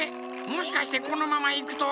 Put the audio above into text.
もしかしてこのままいくと。